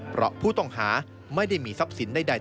เพราะผู้ต้องหาไม่ได้มีทรัพย์สินใด